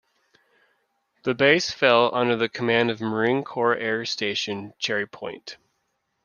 The base fell under the command of Marine Corps Air Station Cherry Point.